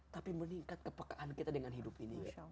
tapi meningkat kepekaan kita dengan hidup ini